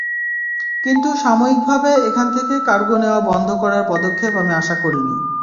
কিন্তু সাময়িকভাবে এখান থেকে কার্গো নেওয়া বন্ধ করার পদক্ষেপ আমি আশা করিনি।